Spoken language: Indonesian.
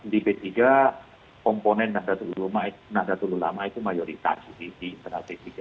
di p tiga komponen nahdlatul ulama nahdlatul ulama itu mayoritas di internal p tiga